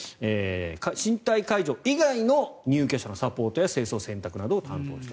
身体介助以外の入居者のサポートや清掃、洗濯などを担当した。